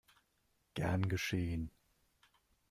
Gern geschehen!